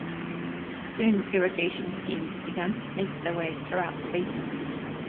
Soon irrigation schemes began to snake their way throughout the basin.